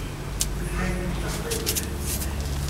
Tutlayt-im d taqbaylit.